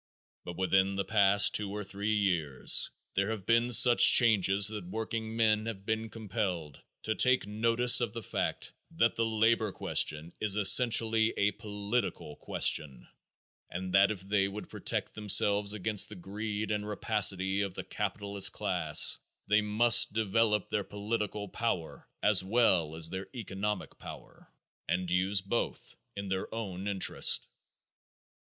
But within the past two or three years there have been such changes that workingmen have been compelled to take notice of the fact that the labor question is essentially a political question, and that if they would protect themselves against the greed and rapacity of the capitalist class they must develop their political power as well as their economic power, and use both in their own interest.